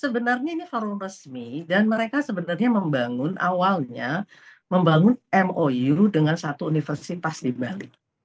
sebenarnya ini forum resmi dan mereka sebenarnya membangun awalnya membangun mou dengan satu universitas di bali